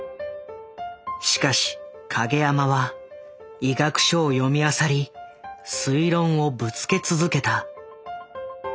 しかし影山は医学書を読みあさり推論をぶつけ続けた。